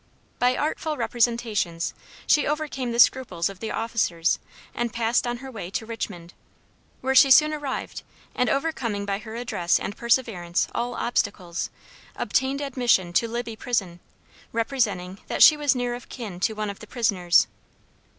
By artful representations she overcame the scruples of the officers and passed on her way to Richmond, where she soon arrived, and overcoming by her address and perseverance all obstacles, obtained admission to Libby Prison, representing that she was near of kin to one of the prisoners.